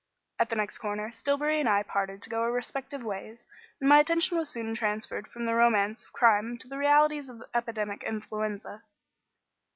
At the next corner Stillbury and I parted to go our respective ways; and my attention was soon transferred from the romance of crime to the realities of epidemic influenza.